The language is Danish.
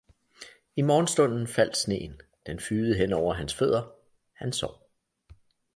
I morgenstunden faldt sneen, den fygede hen over hans fødder, han sov